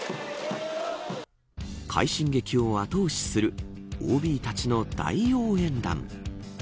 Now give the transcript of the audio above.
快進撃を後押しするＯＢたちの大応援団。